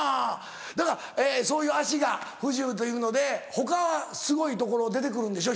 だからそういう足が不自由というので他すごいところ出て来るんでしょ？